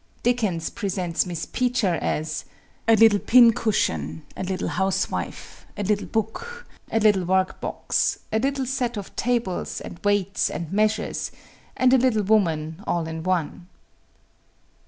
Dickens presents Miss Peecher as: "A little pin cushion, a little housewife, a little book, a little work box, a little set of tables and weights and measures, and a little woman all in one."